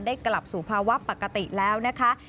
กลับสู่ภาวะปกติแล้วนะคะ